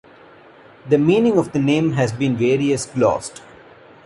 The meaning of the name has been various glossed.